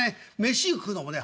飯食うのもね